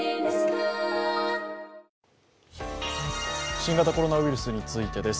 新型コロナウイルスについてです。